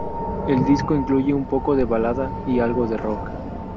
El disco incluye un poco de balada y algo de rock.